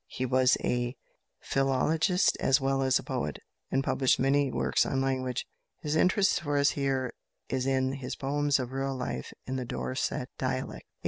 He was a philologist as well as a poet, and published many works on language. His interest for us here is in his "Poems of Rural Life in the Dorset Dialect" (1844).